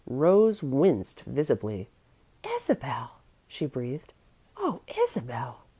Rose winced visibly. "Isabel!" she breathed. "Oh, Isabel!"